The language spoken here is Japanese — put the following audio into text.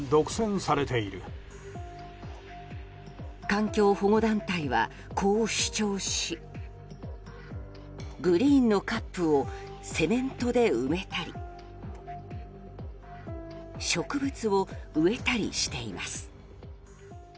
環境保護団体はこう主張しグリーンのカップをセメントで埋めたり植物を植えたりしています。